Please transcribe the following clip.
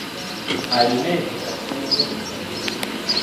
"Alina enkeka simulojja,"